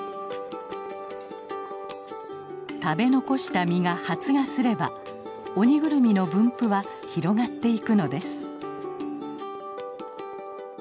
食べ残した実が発芽すればオニグルミの分布は広がっていくのです。